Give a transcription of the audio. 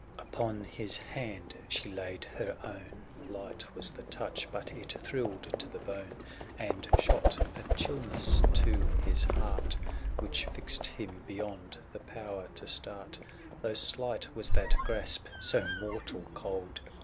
Upon his hand she laid her own — 550 Light was the touch, but it thrilled to the bone, And shot a chillness to his heart, Which fixed him beyond the power to start. Though slight was that grasp so mortal cold.